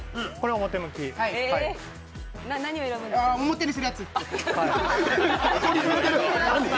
表にするやつ！